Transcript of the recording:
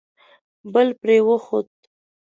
بل پرې وخوت.